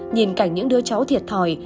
nhìn cảnh những đứa cháu thiệt thòi